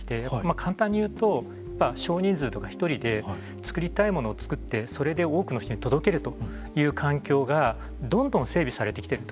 簡単に言うと少人数とか１人で作りたいものを作ってそれで多くの人に届けるという環境がどんどん整備されてきていると。